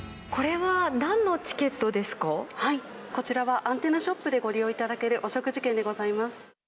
はい、こちらはアンテナショップでご利用いただけるお食事券でございます。